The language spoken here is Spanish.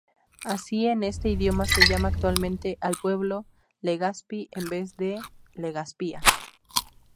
Así, en este idioma se llama actualmente al pueblo Legazpi en vez de Legazpia.